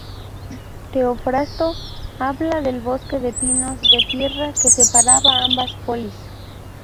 Teofrasto habla del bosque de pinos de Pirra que separaba ambas polis.